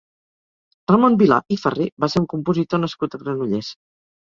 Ramon Vilà i Ferrer va ser un compositor nascut a Granollers.